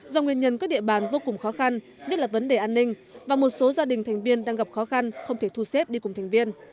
do nguyên nhân các địa bàn vô cùng khó khăn nhất là vấn đề an ninh và một số gia đình thành viên đang gặp khó khăn không thể thu xếp đi cùng thành viên